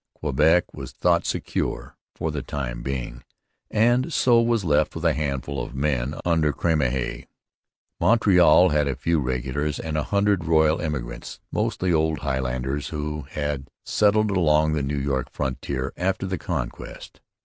Quebec was thought secure for the time being, and so was left with a handful of men under Cramahe. Montreal had a few regulars and a hundred 'Royal Emigrants,' mostly old Highlanders who had settled along the New York frontier after the Conquest.